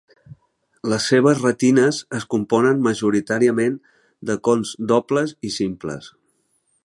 Les seves retines es componen majoritàriament de cons dobles i simples.